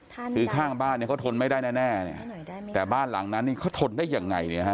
คือข้างบ้านเนี่ยเขาทนไม่ได้แน่แน่เนี่ยแต่บ้านหลังนั้นนี่เขาทนได้ยังไงเนี่ยฮะ